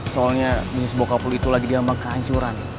soalnya bisnis bokap lo lagi diambang kehancuran